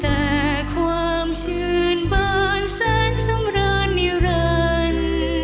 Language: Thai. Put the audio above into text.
แต่ความชื่นบ้านแสนสำรรณมิรรณ